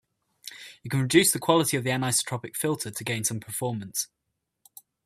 You can reduce the quality of the anisotropic filter to gain some performance.